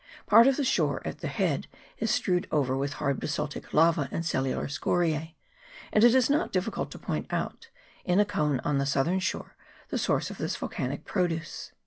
Part of the shore at the head is strewed over with hard basaltic lava and cellular scoriae, and it is not difficult to point out,, in a cone on the southern shore, the source of this volcanic produce.